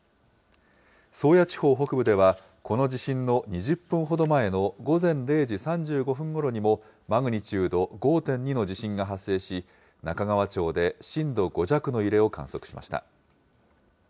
宗谷地方北部では、この地震の２０分ほど前の午前０時３５分ごろにも、マグニチュード５．２の地震が発生し、中川町で震度５弱の揺れを観測しました。